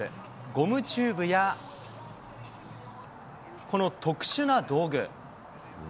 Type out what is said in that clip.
ゴムチューブや、この特殊な道具。